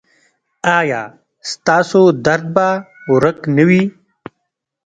ایا ستاسو درد به ورک نه وي؟